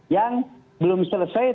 yang belum selesai